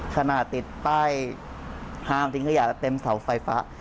ขนาดติดป้ายห้ามทิ้งขยะแล้วเต็มเสาไฟฟ้า